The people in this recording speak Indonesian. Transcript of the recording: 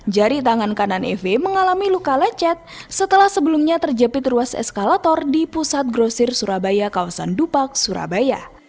jari tangan kanan ev mengalami luka lecet setelah sebelumnya terjepit ruas eskalator di pusat grosir surabaya kawasan dupak surabaya